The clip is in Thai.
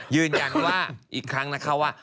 ยืนยันว่าอีกครั้งนะคะว่า